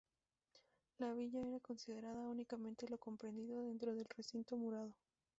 La Villa era considerada únicamente lo comprendido dentro del recinto murado.